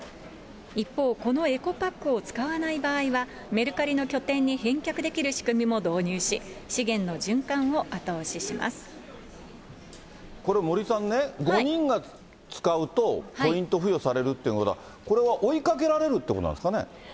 一方、このエコパックを使わない場合は、メルカリの拠点に返却できる仕組みも導入し、これ、森さんね、５人が使うと、ポイント付与されるっていうことは、これは追いかけられるっていうことなんですかね。